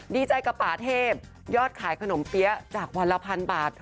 ดีใจกับป่าเทพยอดขายขนมเปี๊ยะจากวันละพันบาท